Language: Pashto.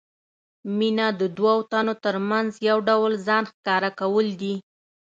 مینه د دوو تنو ترمنځ یو ډول ځان ښکاره کول دي.